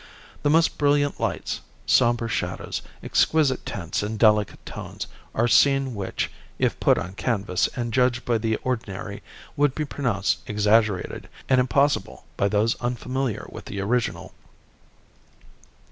The most brilliant lights, sombre shadows, exquisite tints and delicate tones are seen which, if put on canvas and judged by the ordinary, would be pronounced exaggerated and impossible by those unfamiliar with the original.